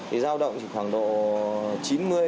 thì giao động khoảng độ chín mươi